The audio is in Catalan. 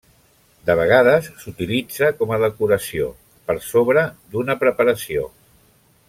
De vegades s'utilitza com a decoració per sobre d'una preparació.